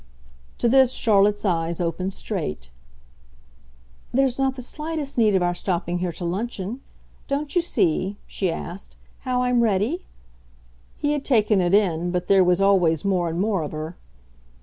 To this Charlotte's eyes opened straight. "There's not the slightest need of our stopping here to luncheon. Don't you see," she asked, "how I'm ready?" He had taken it in, but there was always more and more of her.